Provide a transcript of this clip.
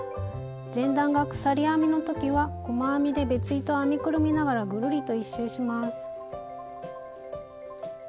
前段が鎖編みの時は細編みで別糸を編みくるみながらぐるりと１周します。